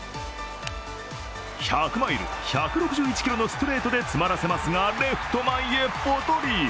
１００マイル、１６１キロのストレートで詰まらせますがレフト前へポトリ。